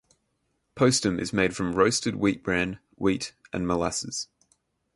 Postum is made from roasted wheat bran, wheat and molasses.